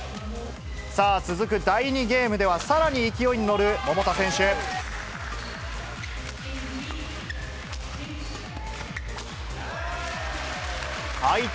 さあ、続く第２ゲームでは、さらに勢いに乗る桃田選手。